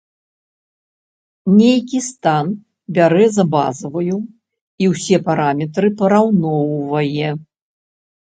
Нейкі стан бярэ за базавую, і ўсе параметры параўноўвае.